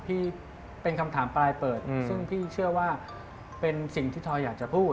พี่เป็นคำถามปลายเปิดซึ่งพี่เชื่อว่าเป็นสิ่งที่ทอยอยากจะพูด